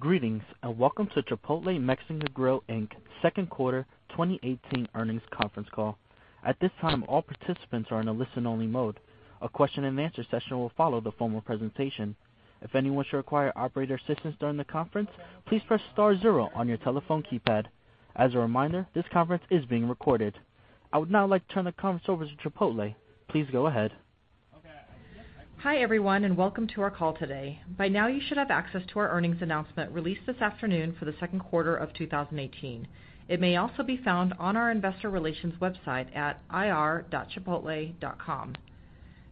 Greetings, welcome to Chipotle Mexican Grill, Inc. second quarter 2018 earnings conference call. At this time, all participants are in a listen-only mode. A question and answer session will follow the formal presentation. If anyone should require operator assistance during the conference, please press star zero on your telephone keypad. As a reminder, this conference is being recorded. I would now like to turn the conference over to Chipotle. Please go ahead. Hi, everyone, welcome to our call today. By now, you should have access to our earnings announcement released this afternoon for the second quarter of 2018. It may also be found on our investor relations website at ir.chipotle.com.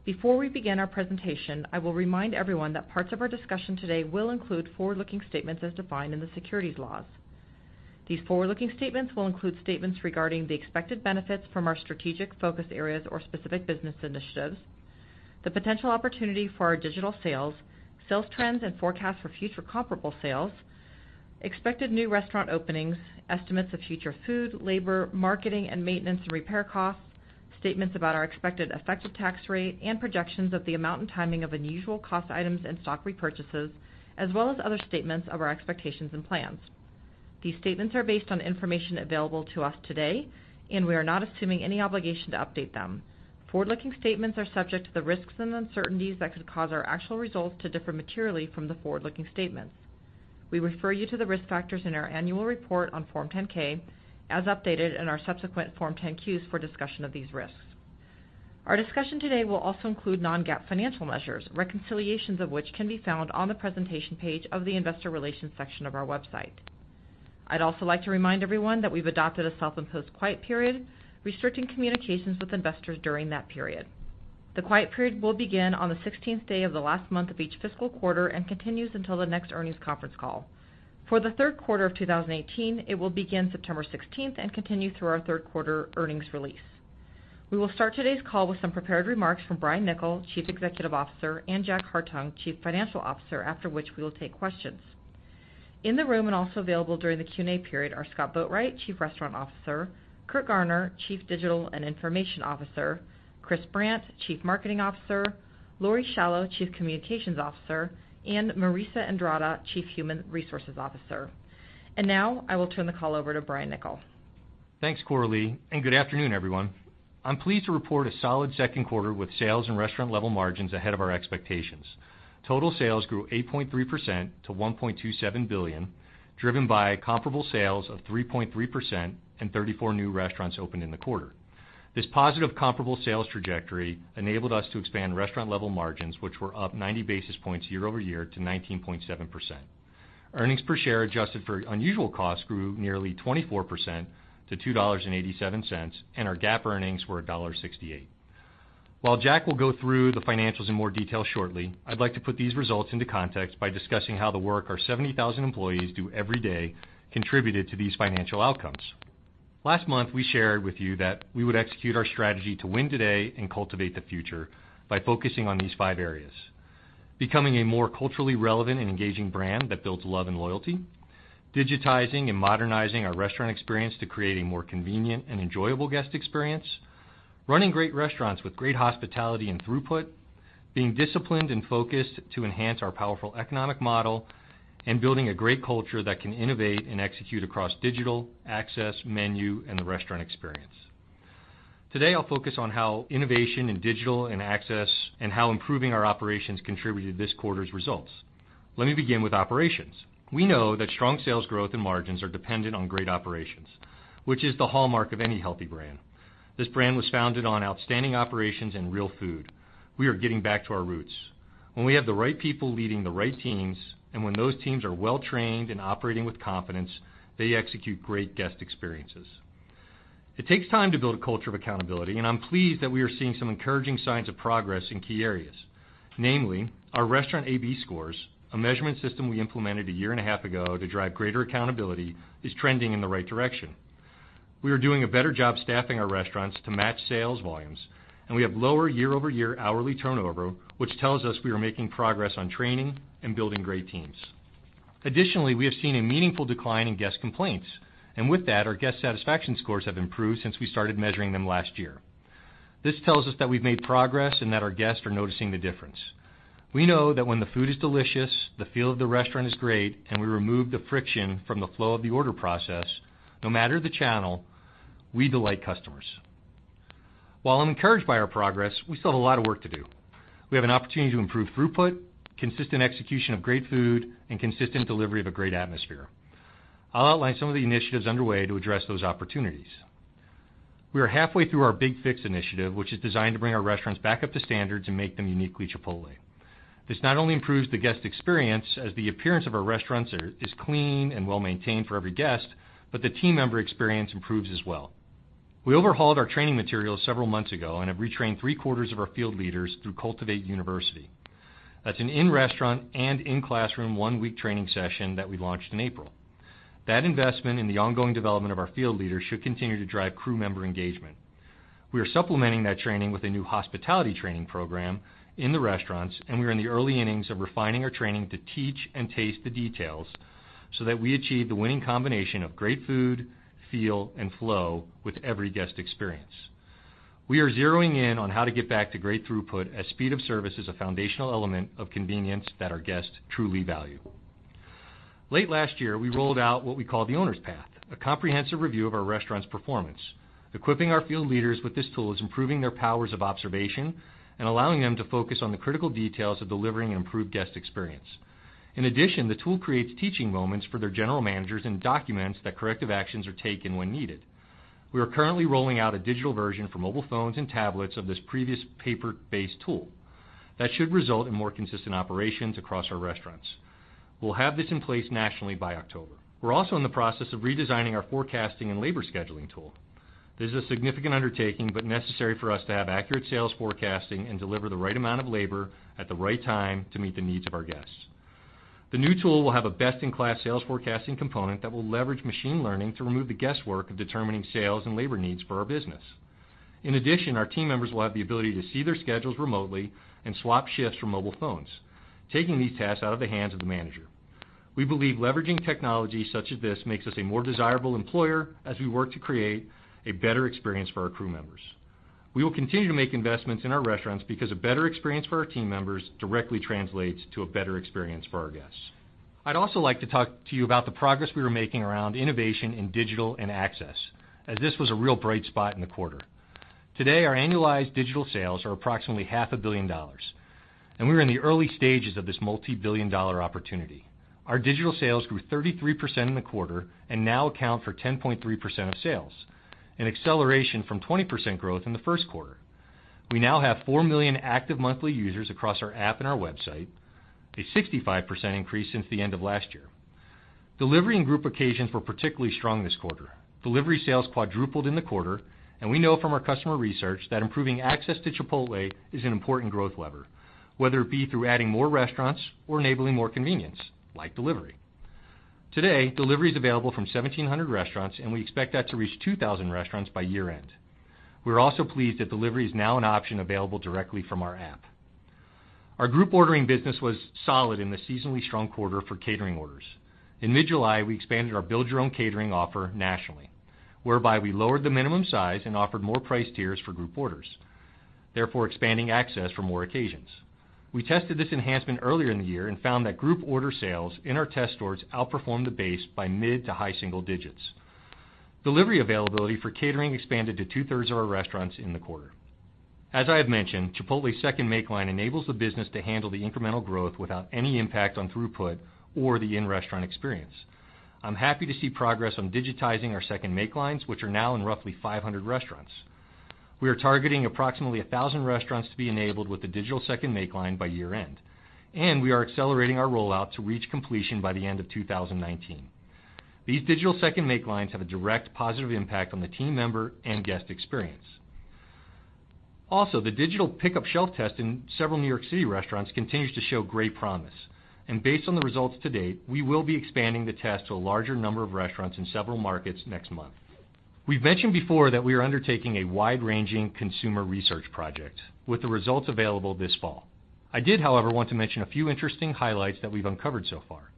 Before we begin our presentation, I will remind everyone that parts of our discussion today will include forward-looking statements as defined in the securities laws. These forward-looking statements will include statements regarding the expected benefits from our strategic focus areas or specific business initiatives, the potential opportunity for our digital sales trends and forecasts for future comparable sales, expected new restaurant openings, estimates of future food, labor, marketing, and maintenance and repair costs, statements about our expected effective tax rate, and projections of the amount and timing of unusual cost items and stock repurchases, as well as other statements of our expectations and plans. These statements are based on information available to us today, we are not assuming any obligation to update them. Forward-looking statements are subject to the risks and uncertainties that could cause our actual results to differ materially from the forward-looking statements. We refer you to the risk factors in our annual report on Form 10-K as updated in our subsequent Form 10-Q for a discussion of these risks. Our discussion today will also include non-GAAP financial measures, reconciliations of which can be found on the presentation page of the investor relations section of our website. I'd also like to remind everyone that we've adopted a self-imposed quiet period, restricting communications with investors during that period. The quiet period will begin on the 16th day of the last month of each fiscal quarter and continues until the next earnings conference call. For the third quarter of 2018, it will begin September 16th and continue through our third quarter earnings release. We will start today's call with some prepared remarks from Brian Niccol, Chief Executive Officer, and Jack Hartung, Chief Financial Officer, after which we will take questions. In the room and also available during the Q&A period are Scott Boatwright, Chief Restaurant Officer, Curt Garner, Chief Digital and Information Officer, Chris Brandt, Chief Marketing Officer, Laurie Schalow, Chief Communications Officer, and Marissa Andrada, Chief Human Resources Officer. Now I will turn the call over to Brian Niccol. Thanks, Coralie, and good afternoon, everyone. I'm pleased to report a solid second quarter with sales and restaurant level margins ahead of our expectations. Total sales grew 8.3% to $1.27 billion, driven by comparable sales of 3.3% and 34 new restaurants opened in the quarter. This positive comparable sales trajectory enabled us to expand restaurant-level margins, which were up 90 basis points year-over-year to 19.7%. Earnings per share adjusted for unusual costs grew nearly 24% to $2.87, and our GAAP earnings were $1.68. While Jack will go through the financials in more detail shortly, I'd like to put these results into context by discussing how the work our 70,000 employees do every day contributed to these financial outcomes. Last month, we shared with you that we would execute our strategy to win today and cultivate the future by focusing on these five areas. Becoming a more culturally relevant and engaging brand that builds love and loyalty, digitizing and modernizing our restaurant experience to create a more convenient and enjoyable guest experience, running great restaurants with great hospitality and throughput, being disciplined and focused to enhance our powerful economic model, building a great culture that can innovate and execute across digital, access, menu, and the restaurant experience. Today, I'll focus on how innovation in digital and access and how improving our operations contributed to this quarter's results. Let me begin with operations. We know that strong sales growth and margins are dependent on great operations, which is the hallmark of any healthy brand. This brand was founded on outstanding operations and real food. We are getting back to our roots. When we have the right people leading the right teams, when those teams are well-trained and operating with confidence, they execute great guest experiences. It takes time to build a culture of accountability, I'm pleased that we are seeing some encouraging signs of progress in key areas. Namely, our restaurant A/B scores, a measurement system we implemented a year and a half ago to drive greater accountability, is trending in the right direction. We are doing a better job staffing our restaurants to match sales volumes, we have lower year-over-year hourly turnover, which tells us we are making progress on training and building great teams. Additionally, we have seen a meaningful decline in guest complaints, with that, our guest satisfaction scores have improved since we started measuring them last year. This tells us that we've made progress and that our guests are noticing the difference. We know that when the food is delicious, the feel of the restaurant is great, we remove the friction from the flow of the order process, no matter the channel, we delight customers. While I'm encouraged by our progress, we still have a lot of work to do. We have an opportunity to improve throughput, consistent execution of great food, consistent delivery of a great atmosphere. I'll outline some of the initiatives underway to address those opportunities. We are halfway through our Big Fix initiative, which is designed to bring our restaurants back up to standards and make them uniquely Chipotle. This not only improves the guest experience as the appearance of our restaurants is clean and well-maintained for every guest, but the team member experience improves as well. We overhauled our training materials several months ago and have retrained three-quarters of our field leaders through Cultivate Education. That's an in-restaurant and in-classroom one-week training session that we launched in April. That investment in the ongoing development of our field leaders should continue to drive crew member engagement. We are supplementing that training with a new hospitality training program in the restaurants, and we are in the early innings of refining our training to teach and taste the details so that we achieve the winning combination of great food, feel, and flow with every guest experience. We are zeroing in on how to get back to great throughput as speed of service is a foundational element of convenience that our guests truly value. Late last year, we rolled out what we call The Owner's Path, a comprehensive review of our restaurant's performance. Equipping our field leaders with this tool is improving their powers of observation and allowing them to focus on the critical details of delivering an improved guest experience. The tool creates teaching moments for their general managers and documents that corrective actions are taken when needed. We are currently rolling out a digital version for mobile phones and tablets of this previous paper-based tool that should result in more consistent operations across our restaurants. We'll have this in place nationally by October. We're also in the process of redesigning our forecasting and labor scheduling tool. This is a significant undertaking, but necessary for us to have accurate sales forecasting and deliver the right amount of labor at the right time to meet the needs of our guests. The new tool will have a best-in-class sales forecasting component that will leverage machine learning to remove the guesswork of determining sales and labor needs for our business. Our team members will have the ability to see their schedules remotely and swap shifts from mobile phones, taking these tasks out of the hands of the manager. We believe leveraging technology such as this makes us a more desirable employer as we work to create a better experience for our crew members. We will continue to make investments in our restaurants because a better experience for our team members directly translates to a better experience for our guests. I'd also like to talk to you about the progress we are making around innovation in digital and access, as this was a real bright spot in the quarter. Today, our annualized digital sales are approximately half a billion dollars, and we are in the early stages of this multi-billion dollar opportunity. Our digital sales grew 33% in the quarter and now account for 10.3% of sales, an acceleration from 20% growth in the first quarter. We now have four million active monthly users across our app and our website, a 65% increase since the end of last year. Delivery and group occasions were particularly strong this quarter. Delivery sales quadrupled in the quarter, and we know from our customer research that improving access to Chipotle is an important growth lever, whether it be through adding more restaurants or enabling more convenience, like delivery. Today, delivery is available from 1,700 restaurants, and we expect that to reach 2,000 restaurants by year-end. We're also pleased that delivery is now an option available directly from our app. Our group ordering business was solid in the seasonally strong quarter for catering orders. In mid-July, we expanded our Build Your Own Catering offer nationally, whereby we lowered the minimum size and offered more price tiers for group orders, therefore expanding access for more occasions. We tested this enhancement earlier in the year and found that group order sales in our test stores outperformed the base by mid to high single digits. Delivery availability for catering expanded to two-thirds of our restaurants in the quarter. As I have mentioned, Chipotle's second make line enables the business to handle the incremental growth without any impact on throughput or the in-restaurant experience. I'm happy to see progress on digitizing our second make lines, which are now in roughly 500 restaurants. We are targeting approximately 1,000 restaurants to be enabled with the digital second make line by year-end. We are accelerating our rollout to reach completion by the end of 2019. These digital second make lines have a direct positive impact on the team member and guest experience. The digital pickup shelf test in several New York City restaurants continues to show great promise, and based on the results to date, we will be expanding the test to a larger number of restaurants in several markets next month. We've mentioned before that we are undertaking a wide-ranging consumer research project with the results available this fall. I did, however, want to mention a few interesting highlights that we've uncovered so far.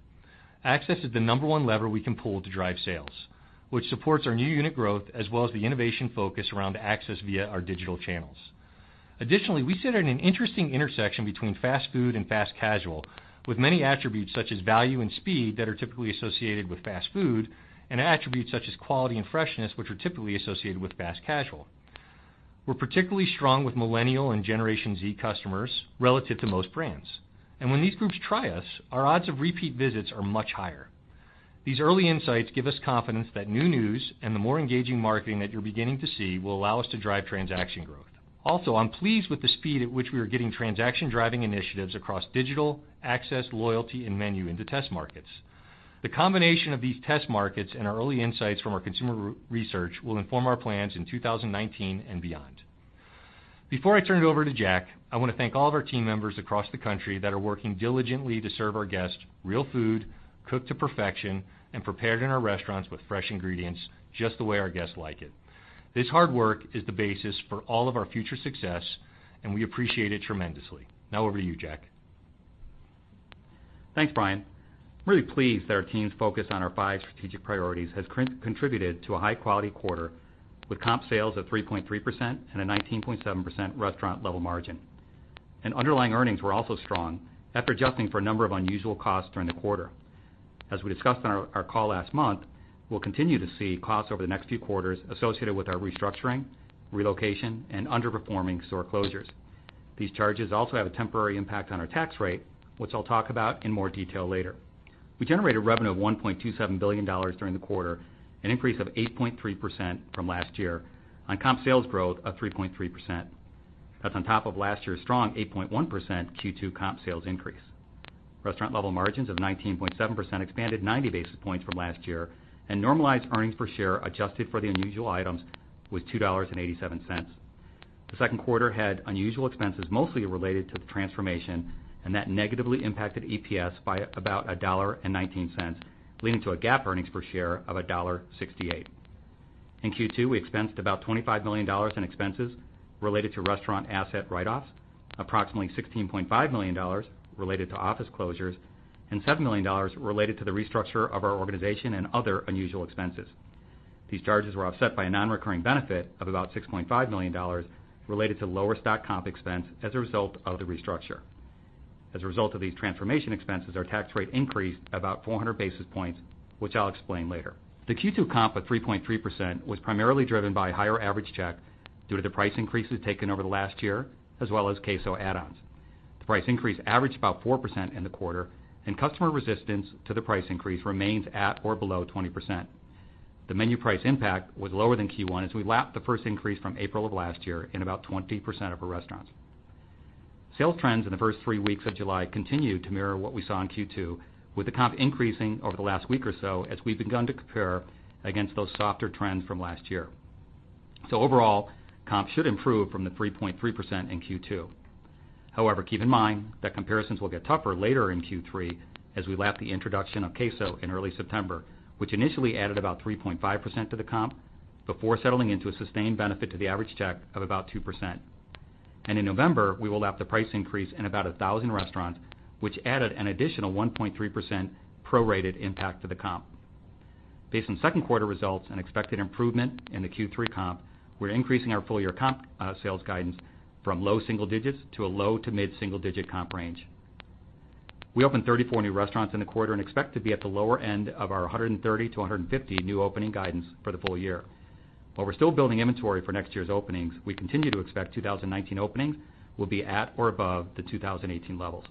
Access is the number one lever we can pull to drive sales, which supports our new unit growth, as well as the innovation focus around access via our digital channels. Additionally, we sit at an interesting intersection between fast food and fast casual with many attributes such as value and speed that are typically associated with fast food, and attributes such as quality and freshness, which are typically associated with fast casual. We're particularly strong with Millennial and Generation Z customers relative to most brands. When these groups try us, our odds of repeat visits are much higher. These early insights give us confidence that new news and the more engaging marketing that you're beginning to see will allow us to drive transaction growth. I'm pleased with the speed at which we are getting transaction-driving initiatives across digital, access, loyalty, and menu into test markets. The combination of these test markets and our early insights from our consumer research will inform our plans in 2019 and beyond. Before I turn it over to Jack, I want to thank all of our team members across the country that are working diligently to serve our guests real food, cooked to perfection, and prepared in our restaurants with fresh ingredients just the way our guests like it. This hard work is the basis for all of our future success, and we appreciate it tremendously. Now over to you, Jack. Thanks, Brian. I'm really pleased that our team's focus on our five strategic priorities has contributed to a high-quality quarter with comp sales of 3.3% and a 19.7% restaurant level margin. Underlying earnings were also strong after adjusting for a number of unusual costs during the quarter. As we discussed on our call last month, we'll continue to see costs over the next few quarters associated with our restructuring, relocation, and underperforming store closures. These charges also have a temporary impact on our tax rate, which I'll talk about in more detail later. We generated revenue of $1.27 billion during the quarter, an increase of 8.3% from last year on comp sales growth of 3.3%. That's on top of last year's strong 8.1% Q2 comp sales increase. Restaurant level margins of 19.7% expanded 90 basis points from last year, normalized earnings per share adjusted for the unusual items was $2.87. The second quarter had unusual expenses, mostly related to the transformation, that negatively impacted EPS by about $1.19, leading to a GAAP earnings per share of $1.68. In Q2, we expensed about $25 million in expenses related to restaurant asset write-offs, approximately $16.5 million related to office closures. $7 million related to the restructure of our organization and other unusual expenses. These charges were offset by a non-recurring benefit of about $6.5 million related to lower stock comp expense as a result of the restructure. As a result of these transformation expenses, our tax rate increased about 400 basis points, which I'll explain later. The Q2 comp of 3.3% was primarily driven by higher average check due to the price increases taken over the last year, as well as queso add-ons. The price increase averaged about 4% in the quarter, customer resistance to the price increase remains at or below 20%. The menu price impact was lower than Q1 as we lapped the first increase from April of last year in about 20% of our restaurants. Sales trends in the first three weeks of July continued to mirror what we saw in Q2, with the comp increasing over the last week or so as we've begun to compare against those softer trends from last year. Overall, comp should improve from the 3.3% in Q2. Keep in mind that comparisons will get tougher later in Q3 as we lap the introduction of queso in early September, which initially added about 3.5% to the comp before settling into a sustained benefit to the average check of about 2%. In November, we will have the price increase in about 1,000 restaurants, which added an additional 1.3% prorated impact to the comp. Based on second quarter results and expected improvement in the Q3 comp, we're increasing our full year comp sales guidance from low single digits to a low to mid single digit comp range. We opened 34 new restaurants in the quarter and expect to be at the lower end of our 130 to 150 new opening guidance for the full year. While we're still building inventory for next year's openings, we continue to expect 2019 openings will be at or above the 2018 levels.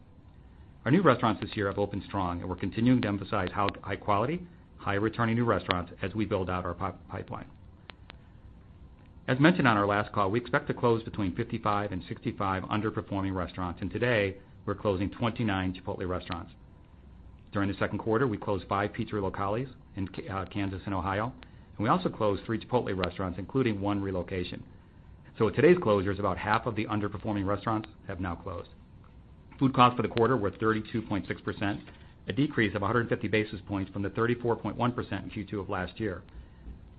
Our new restaurants this year have opened strong. We're continuing to emphasize high quality, high returning new restaurants as we build out our pipeline. As mentioned on our last call, we expect to close between 55 and 65 underperforming restaurants. Today we're closing 29 Chipotle restaurants. During the second quarter, we closed five Pizzeria Locale in Kansas and Ohio. We also closed three Chipotle restaurants, including one relocation. With today's closures, about half of the underperforming restaurants have now closed. Food costs for the quarter were 32.6%, a decrease of 150 basis points from the 34.1% in Q2 of last year.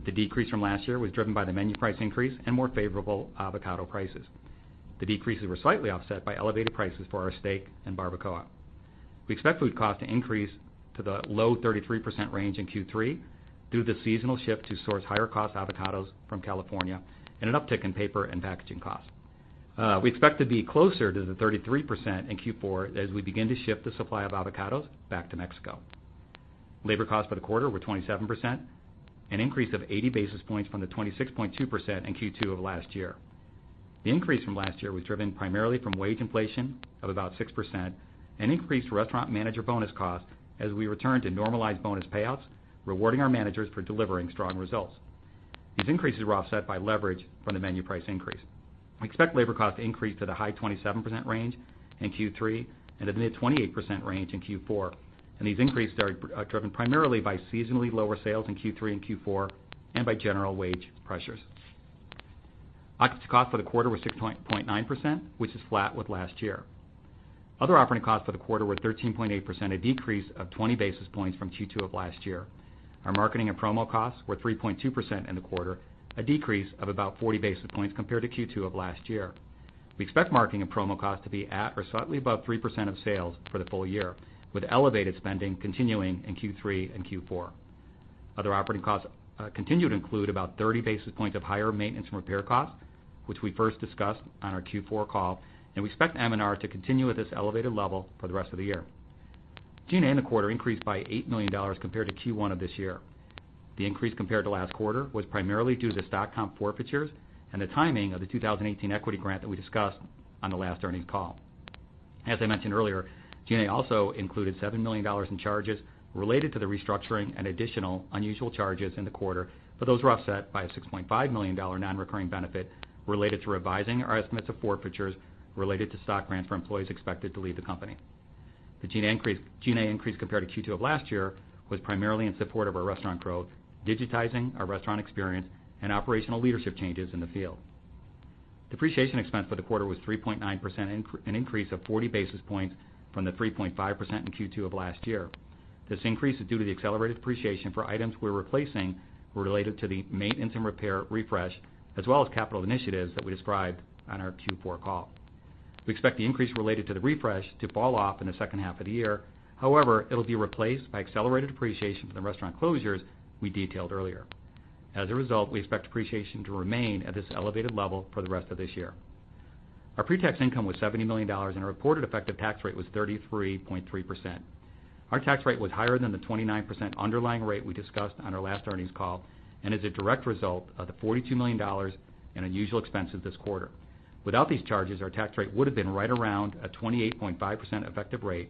The decrease from last year was driven by the menu price increase and more favorable avocado prices. The decreases were slightly offset by elevated prices for our steak and barbacoa. We expect food cost to increase to the low 33% range in Q3 due to the seasonal shift to source higher cost avocados from California and an uptick in paper and packaging cost. We expect to be closer to the 33% in Q4 as we begin to shift the supply of avocados back to Mexico. Labor costs for the quarter were 27%, an increase of 80 basis points from the 26.2% in Q2 of last year. The increase from last year was driven primarily from wage inflation of about 6% and increased restaurant manager bonus costs as we return to normalized bonus payouts, rewarding our managers for delivering strong results. These increases were offset by leverage from the menu price increase. We expect labor cost to increase to the high 27% range in Q3 and the mid 28% range in Q4. These increases are driven primarily by seasonally lower sales in Q3 and Q4 and by general wage pressures. Occupancy cost for the quarter was 6.9%, which is flat with last year. Other operating costs for the quarter were 13.8%, a decrease of 20 basis points from Q2 of last year. Our marketing and promo costs were 3.2% in the quarter, a decrease of about 40 basis points compared to Q2 of last year. We expect marketing and promo costs to be at or slightly above 3% of sales for the full year, with elevated spending continuing in Q3 and Q4. Other operating costs continue to include about 30 basis points of higher maintenance and repair costs, which we first discussed on our Q4 call. We expect M&R to continue at this elevated level for the rest of the year. G&A in the quarter increased by $8 million compared to Q1 of this year. The increase compared to last quarter was primarily due to stock comp forfeitures and the timing of the 2018 equity grant that we discussed on the last earnings call. As I mentioned earlier, G&A also included $7 million in charges related to the restructuring and additional unusual charges in the quarter. Those were offset by a $6.5 million non-recurring benefit related to revising our estimates of forfeitures related to stock grants for employees expected to leave the company. The G&A increase compared to Q2 of last year was primarily in support of our restaurant growth, digitizing our restaurant experience, and operational leadership changes in the field. Depreciation expense for the quarter was 3.9%, an increase of 40 basis points from the 3.5% in Q2 of last year. This increase is due to the accelerated depreciation for items we're replacing related to the maintenance and repair refresh, as well as capital initiatives that we described on our Q4 call. We expect the increase related to the refresh to fall off in the second half of the year. It'll be replaced by accelerated depreciation from the restaurant closures we detailed earlier. As a result, we expect depreciation to remain at this elevated level for the rest of this year. Our pre-tax income was $70 million, and our reported effective tax rate was 33.3%. Our tax rate was higher than the 29% underlying rate we discussed on our last earnings call and is a direct result of the $42 million in unusual expenses this quarter. Without these charges, our tax rate would have been right around a 28.5% effective rate.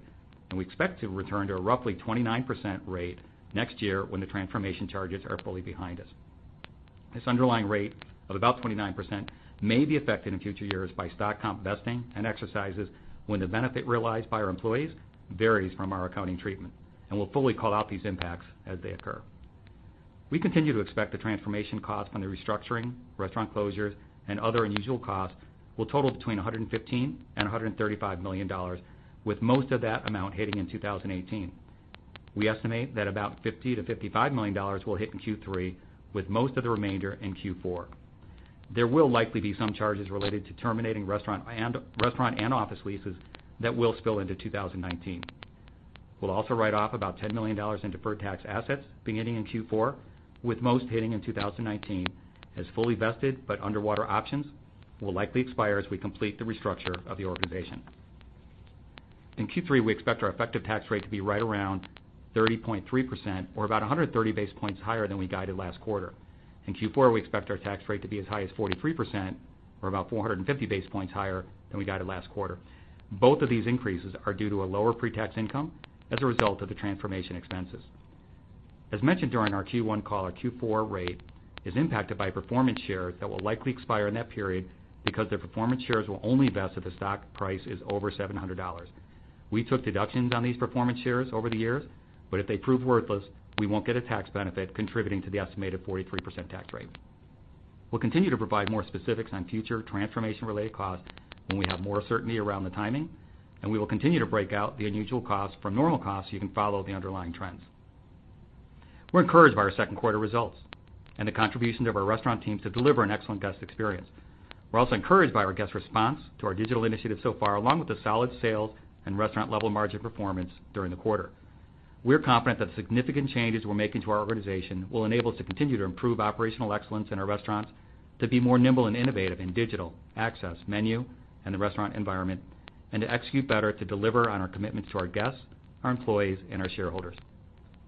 We expect to return to a roughly 29% rate next year when the transformation charges are fully behind us. This underlying rate of about 29% may be affected in future years by stock comp vesting and exercises when the benefit realized by our employees varies from our accounting treatment. We'll fully call out these impacts as they occur. We continue to expect the transformation cost from the restructuring, restaurant closures, and other unusual costs will total between $115 million and $135 million, with most of that amount hitting in 2018. We estimate that about $50 million to $55 million will hit in Q3, with most of the remainder in Q4. There will likely be some charges related to terminating restaurant and office leases that will spill into 2019. We'll also write off about $10 million in deferred tax assets beginning in Q4, with most hitting in 2019 as fully vested, but underwater options will likely expire as we complete the restructure of the organization. In Q3, we expect our effective tax rate to be right around 30.3%, or about 130 basis points higher than we guided last quarter. In Q4, we expect our tax rate to be as high as 43%, or about 450 basis points higher than we guided last quarter. Both of these increases are due to a lower pre-tax income as a result of the transformation expenses. As mentioned during our Q1 call, our Q4 rate is impacted by performance shares that will likely expire in that period because their performance shares will only vest if the stock price is over $700. We took deductions on these performance shares over the years, but if they prove worthless, we won't get a tax benefit contributing to the estimated 43% tax rate. We'll continue to provide more specifics on future transformation-related costs when we have more certainty around the timing. We will continue to break out the unusual costs from normal costs so you can follow the underlying trends. We're encouraged by our second quarter results and the contributions of our restaurant teams to deliver an excellent guest experience. We're also encouraged by our guest response to our digital initiatives so far, along with the solid sales and restaurant-level margin performance during the quarter. We're confident that the significant changes we're making to our organization will enable us to continue to improve operational excellence in our restaurants, to be more nimble and innovative in digital access, menu, and the restaurant environment, to execute better to deliver on our commitment to our guests, our employees, and our shareholders.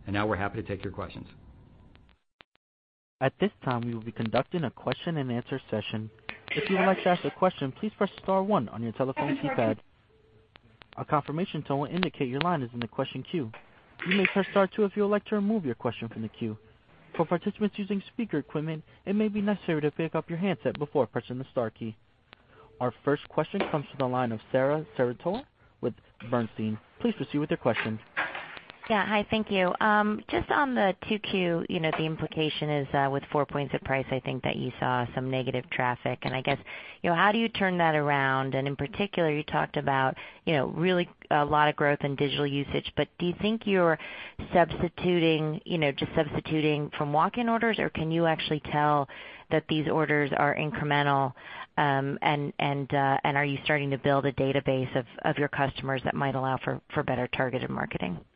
Now we're happy to take your questions. At this time, we will be conducting a question and answer session. If you would like to ask a question, please press star one on your telephone keypad. A confirmation tone will indicate your line is in the question queue. You may press star two if you would like to remove your question from the queue. For participants using speaker equipment, it may be necessary to pick up your handset before pressing the star key. Our first question comes from the line of Sara Senatore with Bernstein. Please proceed with your question. Yeah. Hi, thank you. Just on the 2Q, the implication is with four points of price, I think that you saw some negative traffic. I guess, how do you turn that around? In particular, you talked about really a lot of growth in digital usage. Do you think you're just substituting from walk-in orders, or can you actually tell that these orders are incremental? Are you starting to build a database of your customers that might allow for better targeted marketing? Thanks. Yeah.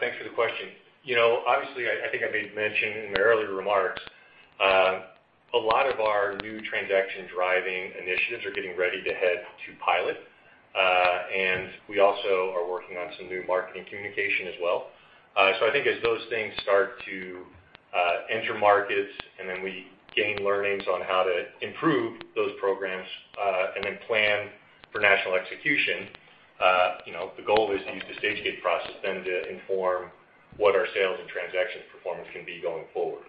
Thanks for the question. Obviously, I think I may have mentioned in my earlier remarks, a lot of our new transaction-driving initiatives are getting ready to head to pilot. We also are working on some new marketing communication as well. I think as those things start to enter markets, we gain learnings on how to improve those programs, plan for national execution, the goal is to use the stage gate process then to inform what our sales and transactions performance can be going forward.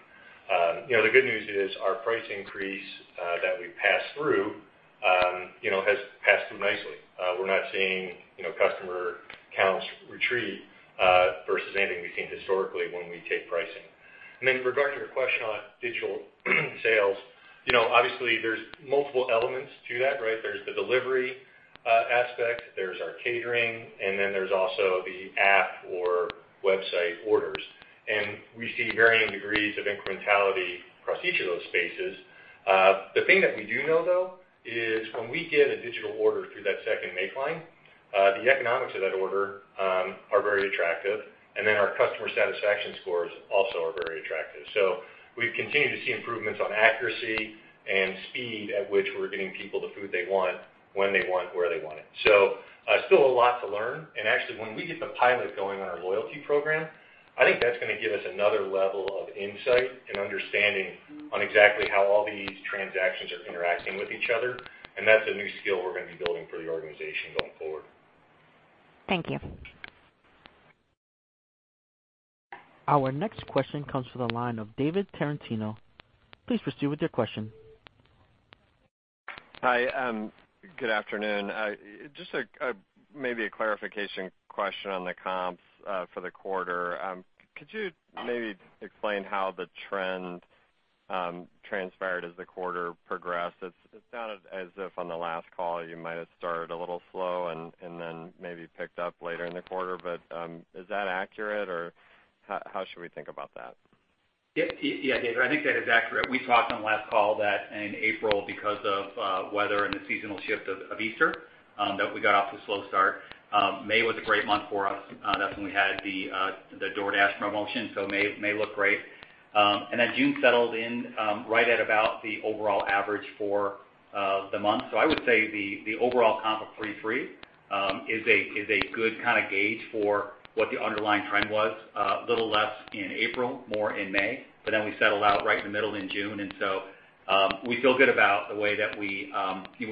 The good news is our price increase that we passed through has passed through nicely. We're not seeing customer counts retreat versus anything we've seen historically when we take pricing. With regard to your question on digital sales, obviously there's multiple elements to that, right? There's the delivery aspect, there's our catering, and then there's also the app or website orders. We see varying degrees of incrementality across each of those spaces. The thing that we do know, though, is when we get a digital order through that second make line, the economics of that order are very attractive, and then our customer satisfaction scores also are very attractive. We've continued to see improvements on accuracy and speed at which we're getting people the food they want, when they want, where they want it. Still a lot to learn. Actually, when we get the pilot going on our loyalty program, I think that's going to give us another level of insight and understanding on exactly how all these transactions are interacting with each other. That's a new skill we're going to be building for the organization going forward. Thank you. Our next question comes from the line of David Tarantino. Please proceed with your question. Hi. Good afternoon. Just maybe a clarification question on the comps for the quarter. Could you maybe explain how the trend transpired as the quarter progressed? It sounded as if on the last call you might have started a little slow and then maybe picked up later in the quarter, but is that accurate, or how should we think about that? David, I think that is accurate. We talked on the last call that in April, because of weather and the seasonal shift of Easter, that we got off to a slow start. May was a great month for us. That's when we had the DoorDash promotion. May looked great. June settled in right at about the overall average for the month. I would say the overall comp of 3.3 is a good kind of gauge for what the underlying trend was. A little less in April, more in May, we settled out right in the middle in June. We feel good about the way that we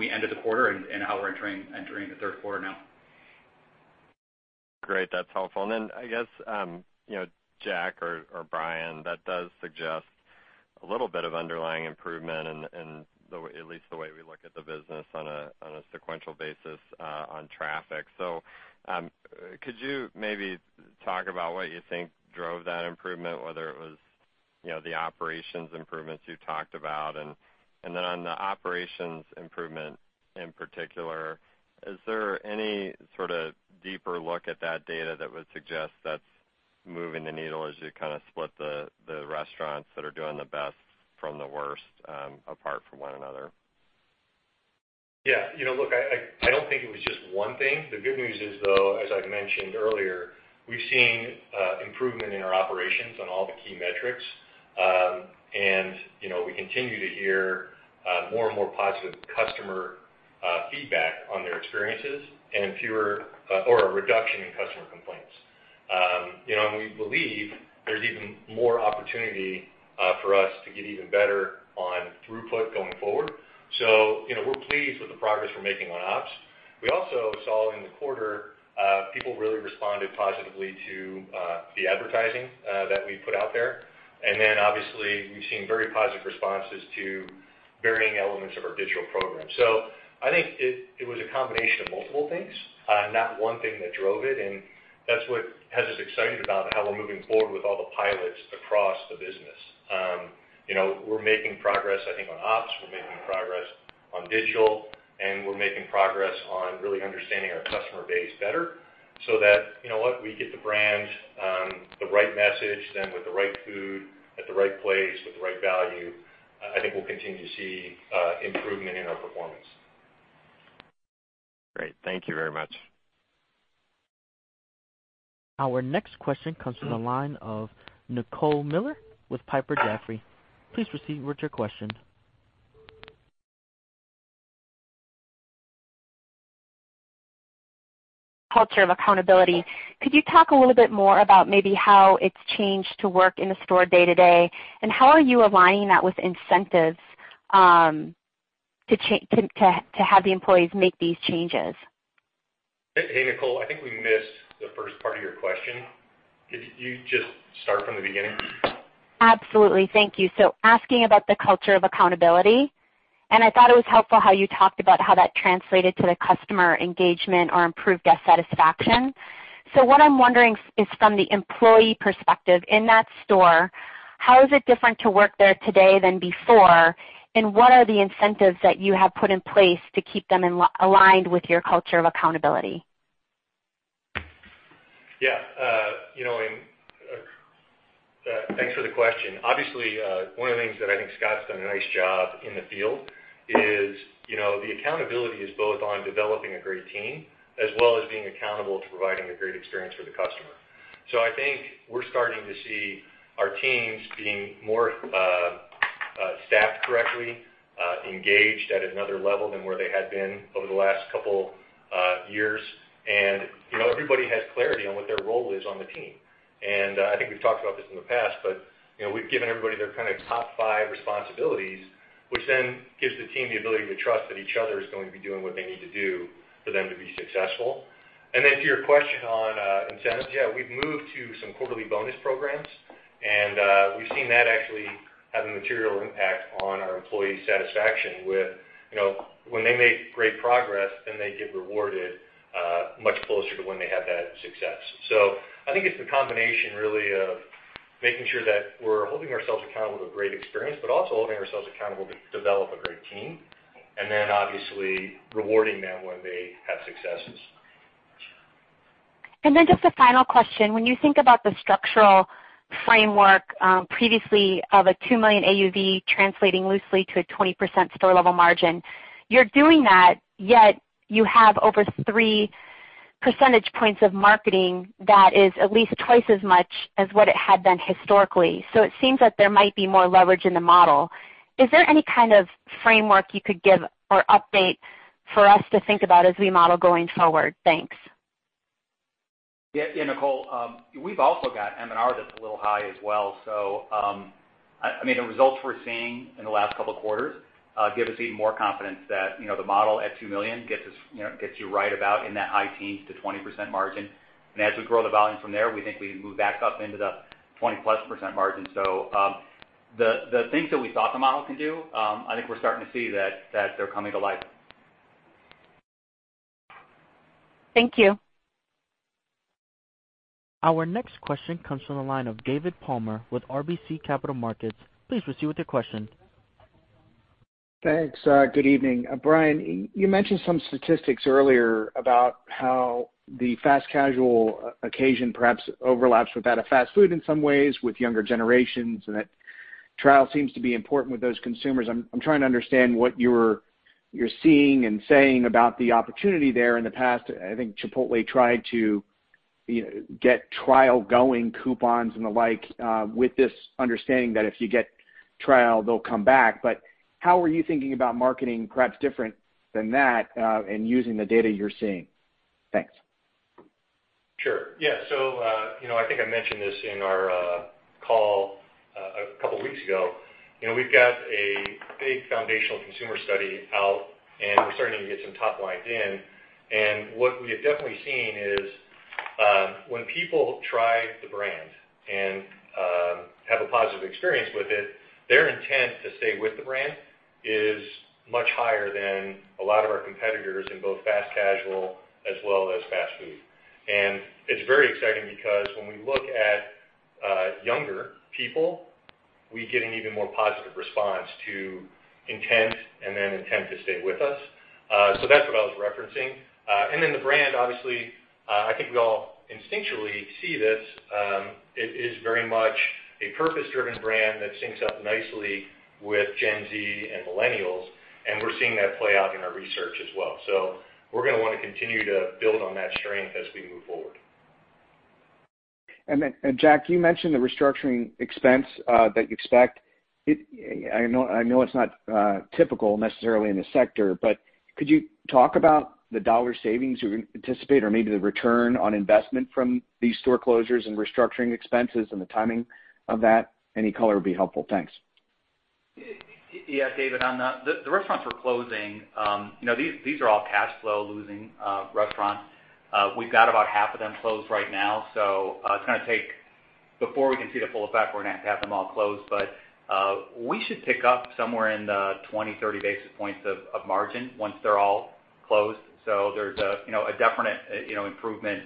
ended the quarter and how we're entering the third quarter now. Great. That's helpful. I guess, Jack or Brian, that does suggest a little bit of underlying improvement in at least the way we look at the business on a sequential basis on traffic. Could you maybe talk about what you think drove that improvement, whether it was the operations improvements you talked about. On the operations improvement in particular, is there any sort of deeper look at that data that would suggest that's moving the needle as you kind of split the restaurants that are doing the best from the worst, apart from one another? Look, I don't think it was just one thing. The good news is, though, as I've mentioned earlier, we've seen improvement in our operations on all the key metrics. We continue to hear more and more positive customer feedback on their experiences and a reduction in customer complaints. We believe there's even more opportunity for us to get even better on throughput going forward. We're pleased with the progress we're making on ops. We also saw in the quarter, people really responded positively to the advertising that we put out there. Obviously, we've seen very positive responses to varying elements of our digital program. I think it was a combination of multiple things, not one thing that drove it, that's what has us excited about how we're moving forward with all the pilots across the business. We're making progress, I think, on ops. We're making progress on digital, we're making progress on really understanding our customer base better so that we get the brand, the right message, with the right food at the right place with the right value. I think we'll continue to see improvement in our performance. Great. Thank you very much. Our next question comes from the line of Nicole Miller with Piper Jaffray. Please proceed with your question. Culture of accountability. Could you talk a little bit more about maybe how it's changed to work in the store day to day, and how are you aligning that with incentives to have the employees make these changes? Hey, Nicole. I think we missed the first part of your question. Could you just start from the beginning? Absolutely. Thank you. Asking about the culture of accountability, I thought it was helpful how you talked about how that translated to the customer engagement or improved guest satisfaction. What I'm wondering is from the employee perspective in that store, how is it different to work there today than before? What are the incentives that you have put in place to keep them aligned with your culture of accountability? Yeah. Thanks for the question. Obviously, one of the things that I think Scott's done a nice job in the field is the accountability is both on developing a great team as well as being accountable to providing a great experience for the customer. I think we're starting to see our teams being more staffed correctly, engaged at another level than where they had been over the last couple years. Everybody has clarity on what their role is on the team. I think we've talked about this in the past, but we've given everybody their top five responsibilities, which gives the team the ability to trust that each other is going to be doing what they need to do for them to be successful. To your question on incentives, yeah, we've moved to some quarterly bonus programs, we've seen that actually have a material impact on our employee satisfaction with when they make great progress, they get rewarded, much closer to when they have that success. I think it's the combination really of making sure that we're holding ourselves accountable to great experience, also holding ourselves accountable to develop a great team, obviously rewarding them when they have successes. Just a final question. When you think about the structural framework, previously of a two million AUV translating loosely to a 20% store level margin, you're doing that, yet you have over three percentage points of marketing that is at least twice as much as what it had been historically. It seems that there might be more leverage in the model. Is there any kind of framework you could give or update for us to think about as we model going forward? Thanks. Nicole. We've also got M&R that's a little high as well. The results we're seeing in the last couple of quarters give us even more confidence that the model at $2 million gets you right about in that high teens to 20% margin. As we grow the volume from there, we think we can move back up into the 20-plus % margin. The things that we thought the model can do, I think we're starting to see that they're coming to life. Thank you. Our next question comes from the line of David Palmer with RBC Capital Markets. Please proceed with your question. Thanks. Good evening. Brian, you mentioned some statistics earlier about how the fast casual occasion perhaps overlaps with that of fast food in some ways with younger generations, and that trial seems to be important with those consumers. I'm trying to understand what you're seeing and saying about the opportunity there. In the past, I think Chipotle tried to get trial going coupons and the like, with this understanding that if you get trial, they'll come back. How are you thinking about marketing perhaps different than that, and using the data you're seeing? Thanks. Sure. Yeah. I think I mentioned this in our call a couple of weeks ago. We've got a big foundational consumer study out, and we're starting to get some top lines in. What we have definitely seen is, when people try the brand and have a positive experience with it, their intent to stay with the brand is much higher than a lot of our competitors in both fast casual as well as fast food. It's very exciting because when we look at younger people, we get an even more positive response to intent and then intent to stay with us. That's what I was referencing. The brand, obviously, I think we all instinctually see this, it is very much a purpose-driven brand that syncs up nicely with Gen Z and millennials, and we're seeing that play out in our research as well. We're going to want to continue to build on that strength as we move forward. Jack, you mentioned the restructuring expense, that you expect. I know it's not typical necessarily in the sector, but could you talk about the dollar savings you anticipate or maybe the return on investment from these store closures and restructuring expenses and the timing of that? Any color would be helpful. Thanks. Yeah. David, on the restaurants we're closing, these are all cash flow losing restaurants. We've got about half of them closed right now, it's going to take before we can see the full effect, we're going to have to have them all closed. We should pick up somewhere in the 20, 30 basis points of margin once they're all closed. There's a definite improvement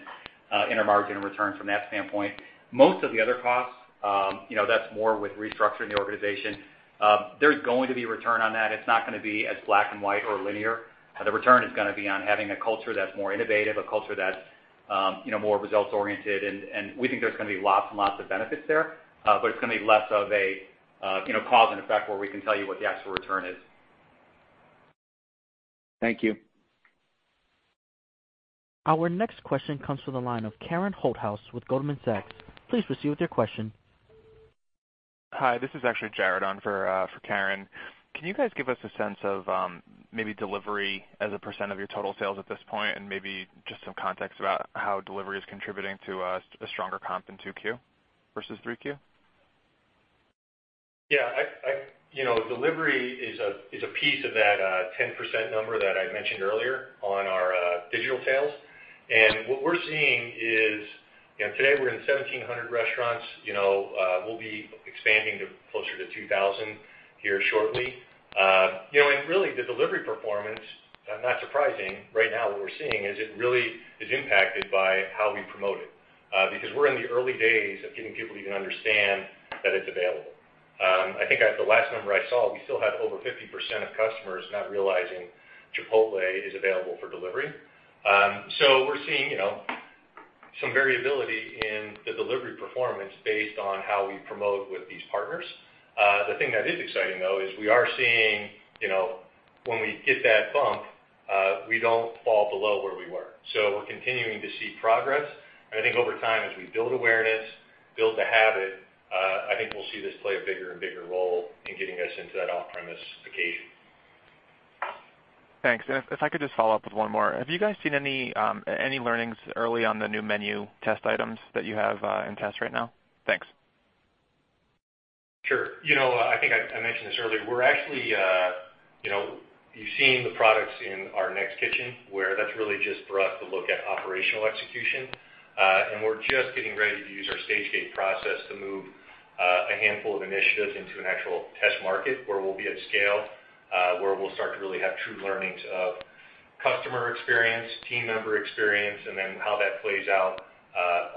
in our margin and return from that standpoint. Most of the other costs, that's more with restructuring the organization. There's going to be return on that. It's not going to be as black and white or linear. The return is going to be on having a culture that's more innovative, a culture that's more results-oriented, and we think there's going to be lots and lots of benefits there. It's going to be less of a cause and effect where we can tell you what the actual return is. Thank you. Our next question comes from the line of Karen Holthouse with Goldman Sachs. Please proceed with your question. Hi, this is actually Jared on for Karen. Can you guys give us a sense of maybe delivery as a % of your total sales at this point and maybe just some context about how delivery is contributing to a stronger comp in Q2 versus Q3? Yeah. Delivery is a piece of that 10% number that I mentioned earlier on our digital sales. What we're seeing is, today we're in 1,700 restaurants. We'll be expanding to closer to 2,000 here shortly. Really, the delivery performance, not surprising, right now what we're seeing is it really is impacted by how we promote it, because we're in the early days of getting people to even understand that it's available. I think the last number I saw, we still had over 50% of customers not realizing Chipotle is available for delivery. We're seeing some variability in the delivery performance based on how we promote with these partners. The thing that is exciting, though, is we are seeing when we hit that bump, we don't fall below where we were. We're continuing to see progress, and I think over time, as we build awareness, build the habit, I think we'll see this play a bigger and bigger role in getting us into that off-premise occasion. Thanks. If I could just follow up with one more. Have you guys seen any learnings early on the new menu test items that you have in test right now? Thanks. Sure. I think I mentioned this earlier. You've seen the products in our NEXT Kitchen, where that's really just for us to look at operational execution. We're just getting ready to use our stage gate process to move a handful of initiatives into an actual test market where we'll be at scale, where we'll start to really have true learnings of customer experience, team member experience, and then how that plays out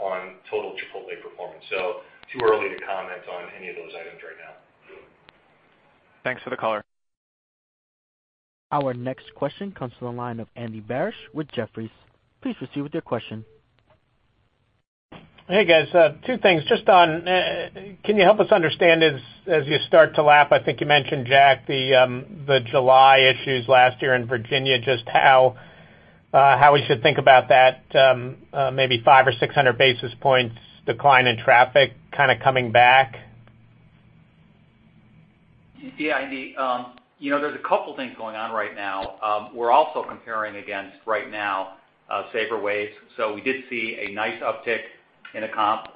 on total Chipotle performance. Too early to comment on any of those items right now. Thanks for the color. Our next question comes to the line of Andy Barish with Jefferies. Please proceed with your question. Hey, guys. Two things. Can you help us understand as you start to lap, I think you mentioned, Jack, the July issues last year in Virginia, just how we should think about that maybe 500 or 600 basis points decline in traffic kind of coming back? Yeah, Andy. There's a couple things going on right now. We're also comparing against, right now, SAVOR.WAVS. We did see a nice uptick in the comp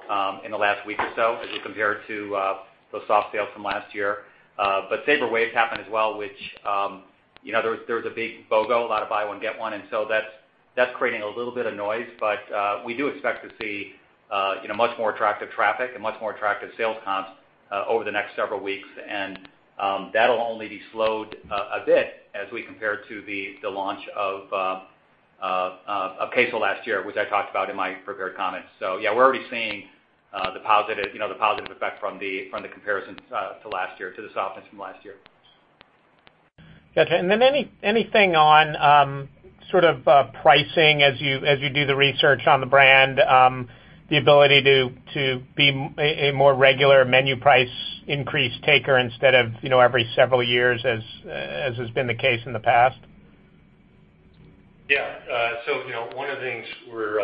in the last week or so as we compare it to those soft sales from last year. SAVOR.WAVS happened as well, which there was a big BOGO, a lot of buy one, get one, and so that's creating a little bit of noise. We do expect to see much more attractive traffic and much more attractive sales comps over the next several weeks, and that'll only be slowed a bit as we compare to the launch of queso last year, which I talked about in my prepared comments. Yeah, we're already seeing the positive effect from the comparisons to these issues from last year. Got you. Anything on sort of pricing as you do the research on the brand, the ability to be a more regular menu price increase taker instead of every several years as has been the case in the past? Yeah. One of the things we're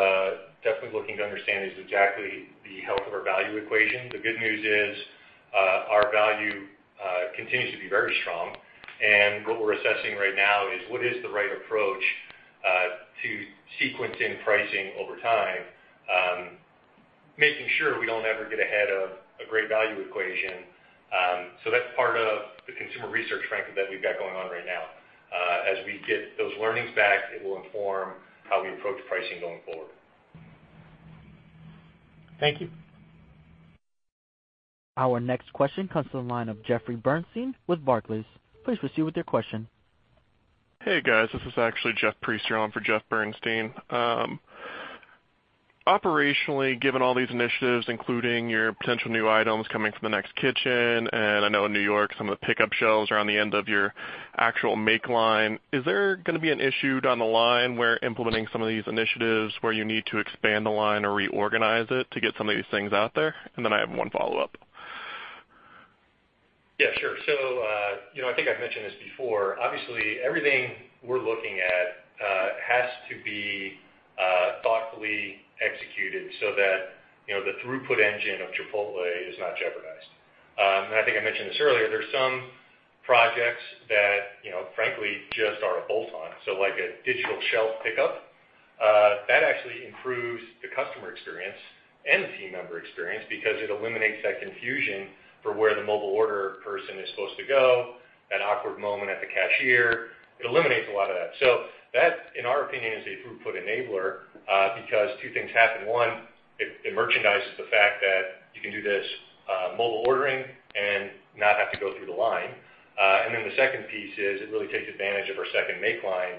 definitely looking to understand is exactly the health of our value equation. The good news is our value continues to be very strong, and what we're assessing right now is what is the right approach to sequencing pricing over time, making sure we don't ever get ahead of a great value equation. That's part of the consumer research, frankly, that we've got going on right now. As we get those learnings back, it will inform how we approach pricing going forward. Thank you. Our next question comes to the line of Jeffrey Bernstein with Barclays. Please proceed with your question. Hey, guys. This is actually Jeff Priest here on for Jeffrey Bernstein. Operationally, given all these initiatives, including your potential new items coming from the NEXT Kitchen, and I know in New York, some of the pickup shelves are on the end of your actual make line. Is there going to be an issue down the line where implementing some of these initiatives where you need to expand the line or reorganize it to get some of these things out there? I have one follow-up. Yeah, sure. I think I've mentioned this before. Obviously, everything we're looking at has to be thoughtfully executed so that the throughput engine of Chipotle is not jeopardized. I think I mentioned this earlier, there's some projects that, frankly, just are a bolt-on. Like a digital shelf pickup, that actually improves the customer experience and the team member experience because it eliminates that confusion for where the mobile order person is supposed to go, that awkward moment at the cashier. It eliminates a lot of that. That, in our opinion, is a throughput enabler, because two things happen. One, it merchandises the fact that you can do this mobile ordering and not have to go through the line. The second piece is it really takes advantage of our second make line,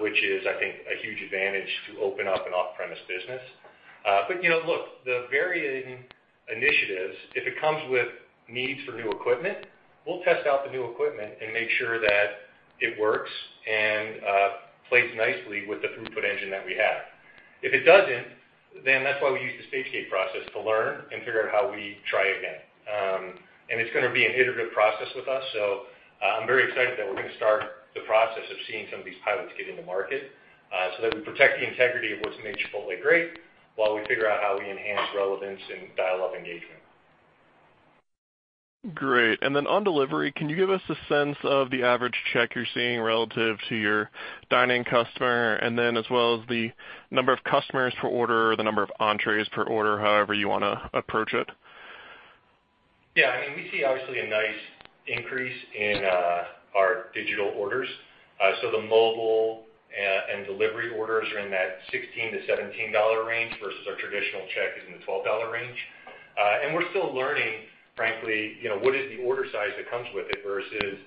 which is, I think, a huge advantage to open up an off-premise business. Look, the varying initiatives, if it comes with needs for new equipment, we'll test out the new equipment and make sure that it works and plays nicely with the throughput engine that we have. If it doesn't, that's why we use the stage gate process to learn and figure out how we try again. It's going to be an iterative process with us. I'm very excited that we're going to start the process of seeing some of these pilots get into market, so that we protect the integrity of what's made Chipotle great while we figure out how we enhance relevance and dial up engagement. Great. On delivery, can you give us a sense of the average check you're seeing relative to your dine-in customer, as well as the number of customers per order, the number of entrees per order, however you want to approach it? We see obviously a nice increase in our digital orders. The mobile and delivery orders are in that $16-$17 range versus our traditional check is in the $12 range. We're still learning, frankly, what is the order size that comes with it versus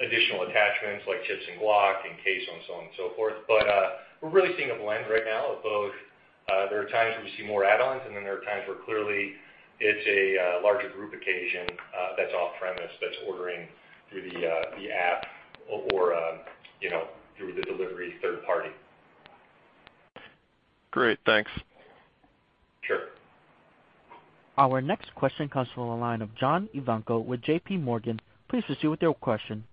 additional attachments like chips and guac and queso and so on and so forth. We're really seeing a blend right now of both. There are times where we see more add-ons, then there are times where clearly it's a larger group occasion that's off-premise, that's ordering through the app or through the delivery third party. Great. Thanks. Sure. Our next question comes from the line of John Ivankoe with J.P. Morgan. Please proceed with your question.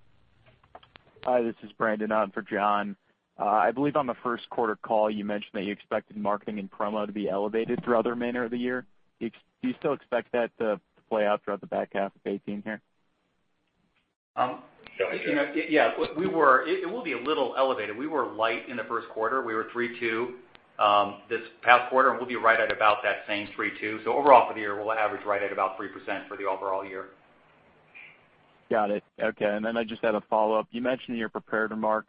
Hi, this is Brandon on for John. I believe on the first quarter call, you mentioned that you expected marketing and promo to be elevated through other half of the year. Do you still expect that to play out throughout the back half of 2018 here? It will be a little elevated. We were light in the first quarter. We were 3.2% this past quarter, and we'll be right at about that same 3.2%. Overall for the year, we'll average right at about 3% for the overall year. Got it. Okay. Then I just had a follow-up. You mentioned in your prepared remarks,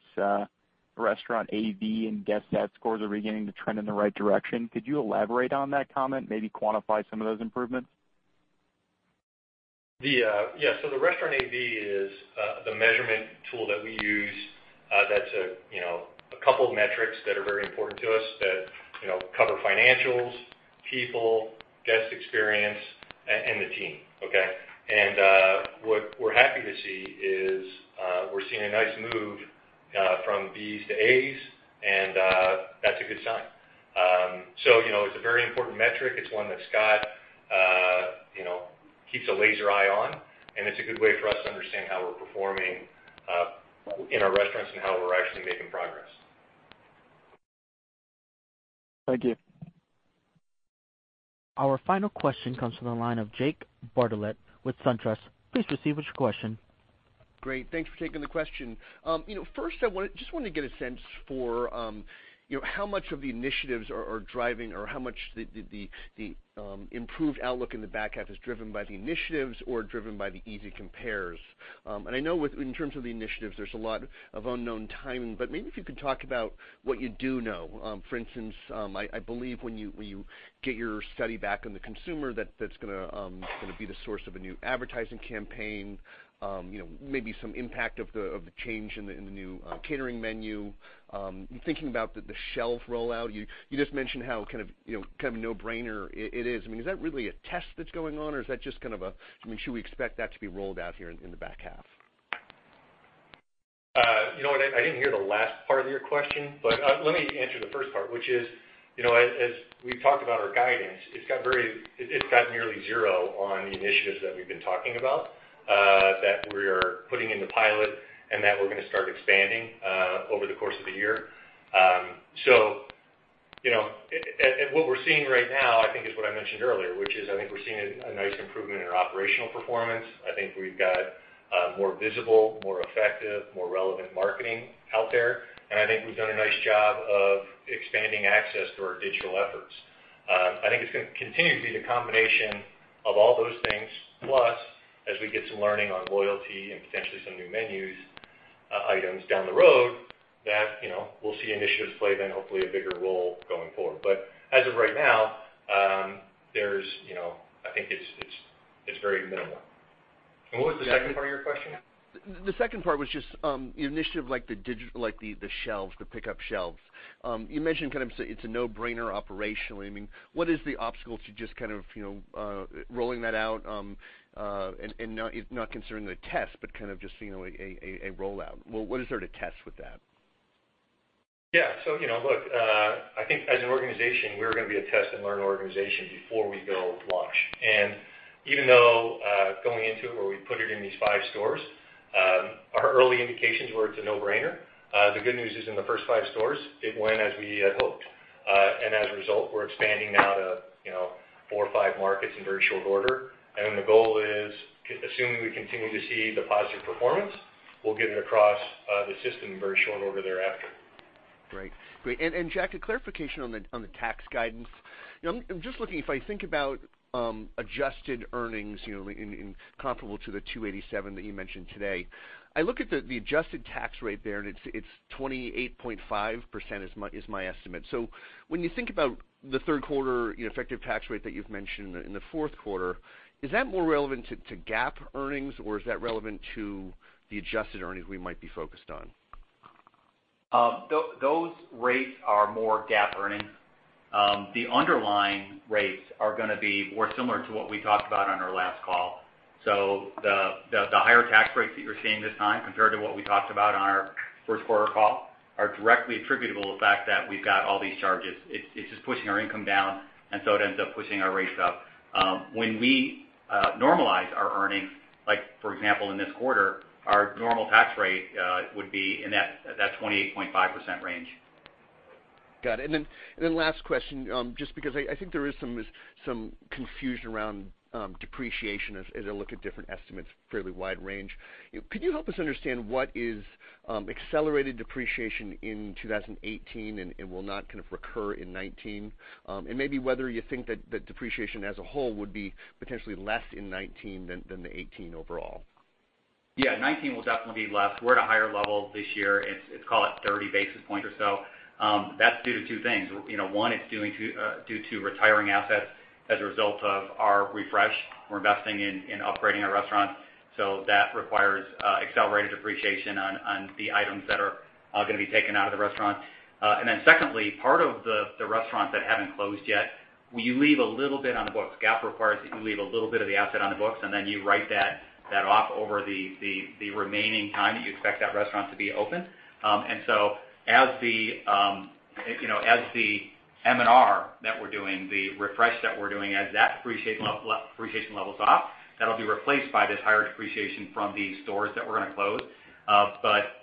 restaurant A/B and guest sat scores are beginning to trend in the right direction. Could you elaborate on that comment, maybe quantify some of those improvements? Yeah. The restaurant A/B is the measurement tool that we use that's a couple of metrics that are very important to us that cover financials, people, guest experience, and the team. Okay. What we're happy to see is we're seeing a nice move from Bs to As, and that's a good sign. It's a very important metric. It's one that Scott keeps a laser eye on, and it's a good way for us to understand how we're performing in our restaurants and how we're actually making progress. Thank you. Our final question comes from the line of Jake Bartlett with SunTrust. Please proceed with your question. Great. Thanks for taking the question. First I just wanted to get a sense for how much of the initiatives are driving, or how much the improved outlook in the back half is driven by the initiatives or driven by the easy compares. I know in terms of the initiatives, there's a lot of unknown timing, but maybe if you could talk about what you do know. For instance, I believe when you get your study back on the consumer, that's going to be the source of a new advertising campaign, maybe some impact of the change in the new catering menu. I'm thinking about the shelf rollout. You just mentioned how kind of no-brainer it is. Is that really a test that's going on, or is that just kind of Should we expect that to be rolled out here in the back half? I didn't hear the last part of your question, but let me answer the first part, which is, as we've talked about our guidance, it's got nearly zero on the initiatives that we've been talking about, that we're putting in the pilot and that we're going to start expanding over the course of the year. What we're seeing right now, I think, is what I mentioned earlier, which is I think we're seeing a nice improvement in our operational performance. I think we've got more visible, more effective, more relevant marketing out there, and I think we've done a nice job of expanding access to our digital efforts. I think it's going to continue to be the combination of all those things. Plus, as we get some learning on loyalty and potentially some new menu items down the road that we'll see initiatives play then hopefully a bigger role going forward. As of right now, I think it's very minimal. What was the second part of your question? The second part was just the initiative, like the shelves, the pickup shelves. You mentioned it's a no-brainer operationally. What is the obstacle to just rolling that out and not concerning the test, but kind of just a rollout? What is there to test with that? Yeah. Look, I think as an organization, we're going to be a test and learn organization before we go launch. Even though going into it where we put it in these five stores, our early indications were it's a no-brainer. The good news is in the first five stores, it went as we had hoped. As a result, we're expanding now to four or five markets in very short order. The goal is, assuming we continue to see the positive performance, we'll get it across the system in very short order thereafter. Great. Jack, a clarification on the tax guidance. I'm just looking, if I think about adjusted earnings comparable to the $287 that you mentioned today, I look at the adjusted tax rate there and it's 28.5% is my estimate. When you think about the third quarter effective tax rate that you've mentioned in the fourth quarter, is that more relevant to GAAP earnings or is that relevant to the adjusted earnings we might be focused on? Those rates are more GAAP earnings. The underlying rates are going to be more similar to what we talked about on our last call. The higher tax rates that you're seeing this time compared to what we talked about on our first quarter call, are directly attributable to the fact that we've got all these charges. It's just pushing our income down and so it ends up pushing our rates up. When we normalize our earnings, like for example in this quarter, our normal tax rate would be in that 28.5% range. Got it. Last question, just because I think there is some confusion around depreciation as I look at different estimates, fairly wide range. Could you help us understand what is accelerated depreciation in 2018 and will not recur in 2019? And maybe whether you think that depreciation as a whole would be potentially less in 2019 than the 2018 overall. Yeah, 2019 will definitely be less. We're at a higher level this year. It's, call it 30 basis points or so. That's due to two things. One, it's due to retiring assets as a result of our refresh. We're investing in upgrading our restaurants. That requires accelerated depreciation on the items that are going to be taken out of the restaurant. Secondly, part of the restaurants that haven't closed yet, we leave a little bit on the books. GAAP requires that you leave a little bit of the asset on the books, and then you write that off over the remaining time that you expect that restaurant to be open. As the M&R that we're doing, the refresh that we're doing, as that depreciation levels off, that'll be replaced by this higher depreciation from the stores that we're going to close.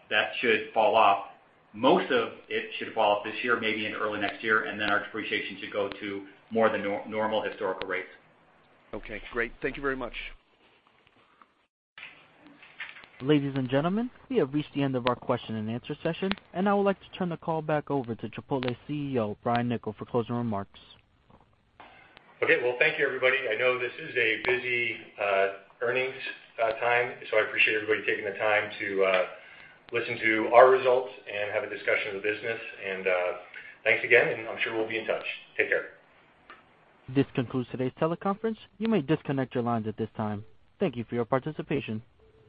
That should fall off. Most of it should fall off this year, maybe into early next year, our depreciation should go to more than normal historical rates. Okay, great. Thank you very much. Ladies and gentlemen, we have reached the end of our question and answer session. I would like to turn the call back over to Chipotle CEO, Brian Niccol, for closing remarks. Okay. Well, thank you everybody. I know this is a busy earnings time. I appreciate everybody taking the time to listen to our results and have a discussion of the business. Thanks again, and I'm sure we'll be in touch. Take care. This concludes today's teleconference. You may disconnect your lines at this time. Thank you for your participation.